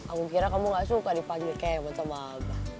aku kira kamu gak suka dipanggil kemot sama abah